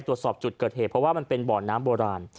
ตรวจสอบจุดเกิดเหตุเพราะว่ามันเป็นบ่อน้ำโบราณ